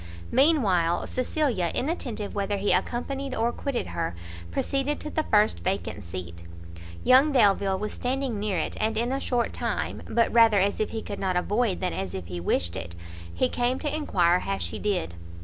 Mean while Cecilia, inattentive whether he accompanied or quitted her proceeded to the first vacant seat. Young Delvile was standing near it, and, in a short time, but rather as if he could not avoid than as if he wished it, he came to enquire how she did.